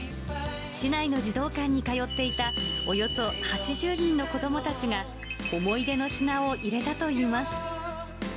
市内の児童館に通っていたおよそ８０人の子どもたちが思い出の品を入れたといいます。